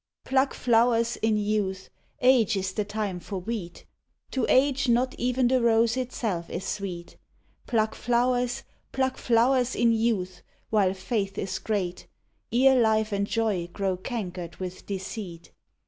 Pluck flowers in youth; age is the time for wheat; To age not even the rose itself is sweet, Pluck flowers, pluck flowers in youth, while faith is great, Ere life and joy grow cankered with deceit.